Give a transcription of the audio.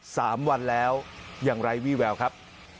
สามวันแล้วอย่างไร้วี่แววครับ